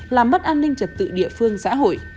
làm mất an ninh trật tự địa phương xã hội